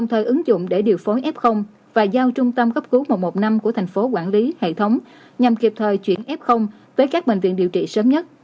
hệ thống nhằm kịp thời chuyển f với các bệnh viện điều trị sớm nhất